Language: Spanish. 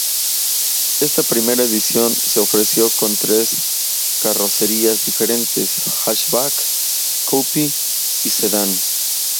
Esta primera edición se ofreció con tres carrocerías diferentes: hatchback, coupe y sedán.